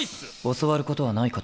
教わることはないかと。